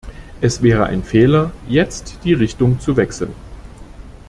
Es wäre ein Fehler, jetzt die Richtung zu wechseln.